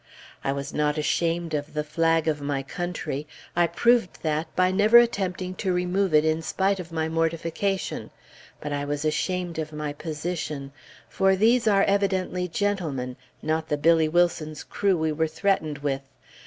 I was not ashamed of the flag of my country, I proved that by never attempting to remove it in spite of my mortification, but I was ashamed of my position; for these are evidently gentlemen, not the Billy Wilson's crew we were threatened with.